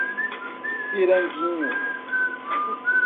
Piranguinho